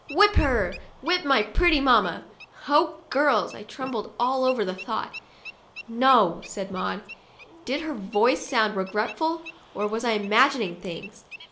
1 Whip her ! Whip my pretty mamma ! Oh, girls !" I trembled all over at the thought. " No," said Maud. Did her voice sound regretful, or was I imagining things?